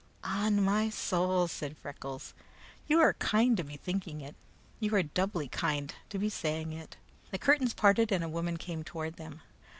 "On me soul!" said Freckles, "you are kind to be thinking it. You are doubly kind to be saying it." The curtains parted and a woman came toward them.